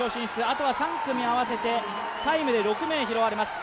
あとは３組合わせてタイムで６名拾われます。